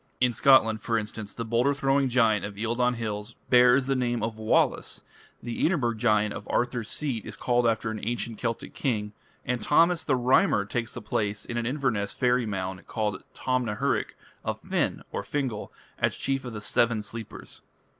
In Scotland, for instance, the boulder throwing giant of Eildon hills bears the name of Wallace, the Edinburgh giant of Arthur's Seat is called after an ancient Celtic king, and Thomas the Rhymer takes the place, in an Inverness fairy mound called Tom na hurich, of Finn (Fingal) as chief of the "Seven Sleepers".